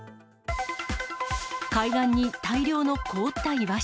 海岸に大量の凍ったイワシ。